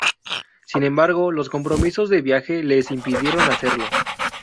Sin embargo, los compromisos de viaje les impidieron hacerlo.